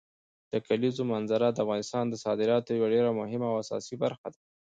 د کلیزو منظره د افغانستان د صادراتو یوه ډېره مهمه او اساسي برخه ده.